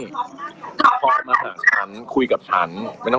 นี่พอมาฉันคุยกับฉัน